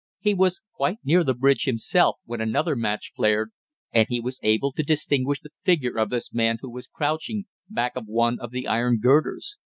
He was quite near the bridge himself when another match flared, and he was able to distinguish the figure of this man who was crouching back of one of the iron girders.